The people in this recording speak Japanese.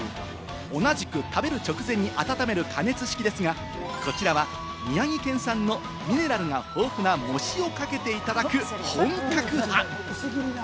同じく食べる直前に温める加熱式ですが、こちらは宮城県産のミネラルが豊富な藻塩をかけていただく本格派。